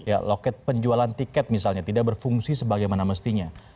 ya loket penjualan tiket misalnya tidak berfungsi sebagaimana mestinya